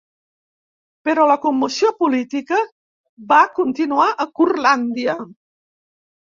Però la commoció política va continuar a Curlàndia.